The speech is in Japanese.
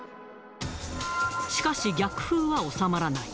しかし、逆風は収まらない。